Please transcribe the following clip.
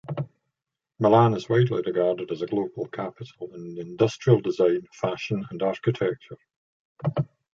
Milan is widely regarded as a global capital in industrial design, fashion and architecture.